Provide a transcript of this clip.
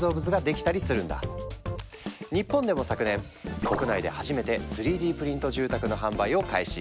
日本でも昨年国内で初めて３Ｄプリント住宅の販売を開始。